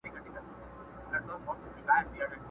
o خپل گور هر چا ته تنگ ښکاري٫